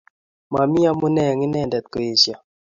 Mami amune eng inendet koesia